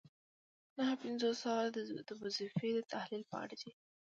نهه پنځوسم سوال د وظیفې د تحلیل په اړه دی.